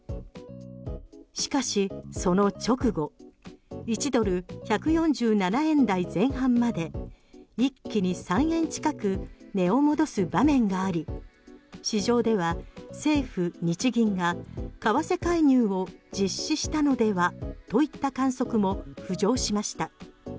しかし、その直後１ドル１４７円台前半まで一気に３円近く値を戻す場面があり市場では政府・日銀が為替介入を実施したのではといった観測も浮上しました。